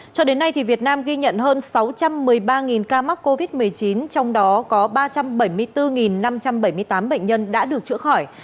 cho đến nay việt nam ghi nhận hơn sáu trăm một mươi ba ca mắc covid một mươi chín trong đó có ba trăm bảy mươi bốn năm trăm bảy mươi tám bệnh nhân đã được chữa khỏi